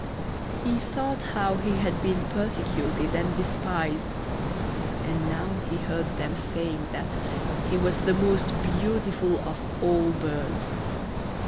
He thought how he had been persecuted and despised; and now he heard them saying that he was the most beautiful of all birds.